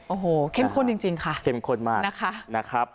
โอ้โหเข้มข้นจริงค่ะเข้มข้นมากนะคะ